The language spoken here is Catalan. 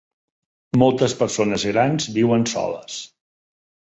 Moltes persones grans viuen soles.